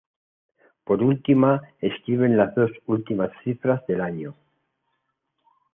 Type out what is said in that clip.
Por última escriben las dos últimas cifras del año.